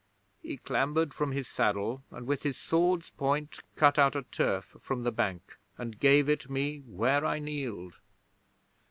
He clambered from his saddle and with his sword's point cut out a turf from the bank and gave it me where I kneeled.'